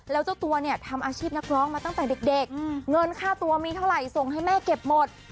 แล้วเจ้าตัวเนี่ยทำอาชีพนักร้องมาตั้งแต่เด็กเงินค่าตัวมีเท่าไหร่ส่งให้แม่เก็บหมด